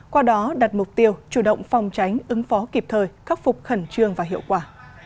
qua đó đặt mục tiêu chủ động phòng tránh ứng phó kịp thời khắc phục khẩn trương và hiệu quả